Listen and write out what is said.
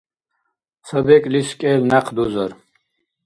Ца бекӀлис кӀел някъ дузар.